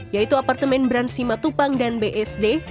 yaitu apartemen brand simatupang dan bsd